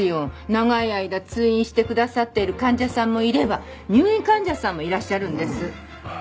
長い間通院してくださっている患者さんもいれば入院患者さんもいらっしゃるんです。